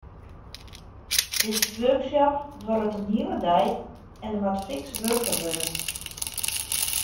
Dizze workshop duorret in hiele dei en der moat fiks wurke wurde.